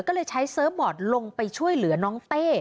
ก็เลยใช้เซิร์ฟบอร์ดลงไปช่วยเหลือน้องเต้